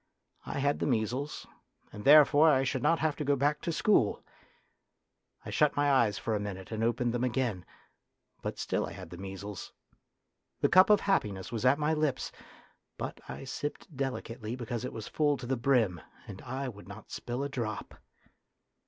I had the measles, and therefore I should not have to go back to school! I shut my eyes for a minute and opened them again, but still I had the measles. The cup of happiness was at my lips, but I 28 A DRAMA OF YOUTH sipped delicately because it was full to the brim, and I would not spill a drop.